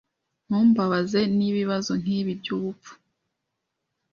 Ntumbabaze nibibazo nkibi byubupfu.